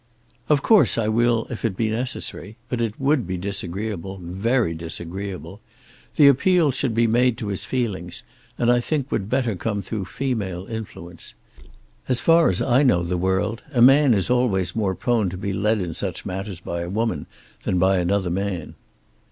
"Of course I will if it be necessary; but it would be disagreeable, very disagreeable. The appeal should be made to his feelings, and that I think would better come through female influence. As far as I know the world a man is always more prone to be led in such matters by a woman than by another man."